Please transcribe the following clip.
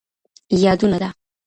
یادونه ده